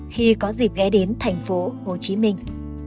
khi có dịp ghé đến thành phố hồ chí minh